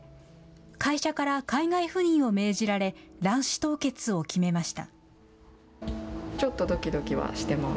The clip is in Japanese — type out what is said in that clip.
会社から海外赴任を命じられ、卵子凍結を決めました。